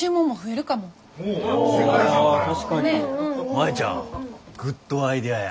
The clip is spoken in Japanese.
舞ちゃんグッドアイデアや。